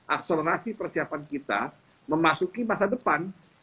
akselerasi persiapan kita memasuki masa depan